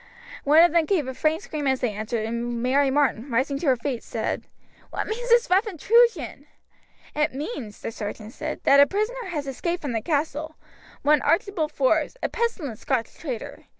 One of them gave a faint scream as they entered, and Mary Martin, rising to her feet, said: "What means this rough intrusion?" "It means," the sergeant said, "that a prisoner has escaped from the castle, one Archibald Forbes, a pestilent Scotch traitor.